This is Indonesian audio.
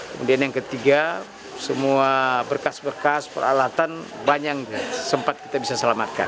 kemudian yang ketiga semua berkas berkas peralatan banyak sempat kita bisa selamatkan